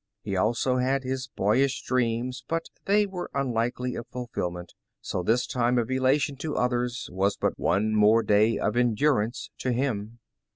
He also had his boyish dreams, but they were unlikely of fulfillment, so this time of elation to others, A Pivotal Day was but one more day of endurance to him.